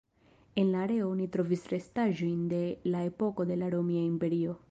En la areo oni trovis restaĵojn de la epoko de la Romia Imperio.